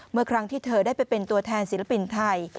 เมื่อครั้งที่เธอได้ไปเป็นตัวแทนศิลปินไทย